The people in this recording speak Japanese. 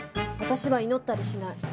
私は祈ったりしない。